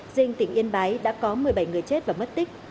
dinh tỉnh yên bái đã có một mươi bảy người chết và mất tích